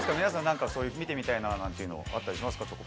皆さん見てみたいななんていうのあったりしますか？